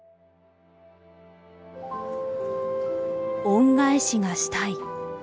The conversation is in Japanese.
恩返しがしたい。